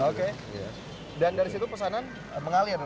oke dan dari situ pesanan mengalir